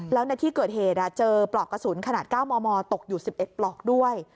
แล้วในที่เกิดเหตุเจอปลอกกระสุนขนาด๙มมตกอยู่๑๑ปลอกด้วย